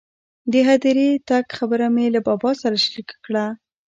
د هدیرې تګ خبره مې له بابا سره شریکه کړه.